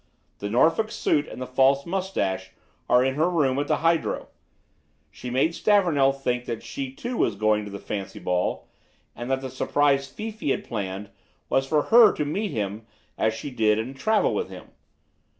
The Norfolk suit and the false moustache are in her room at the hydro. She made Stavornell think that she, too, was going to the fancy ball, and that the surprise Fifi had planned was for her to meet him as she did and travel with him.